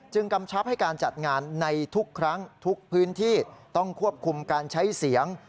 กำชับให้การจัดงานในทุกครั้งทุกพื้นที่ต้องควบคุมการใช้เสียง